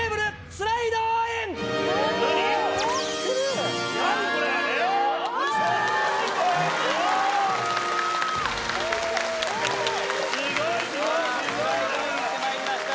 スライドインしてまいりました。